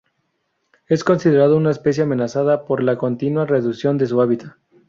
Es considerado una especie amenazada por la continua reducción de su hábitat.